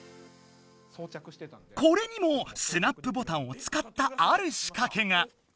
これにもスナップボタンを使ったあるしかけが。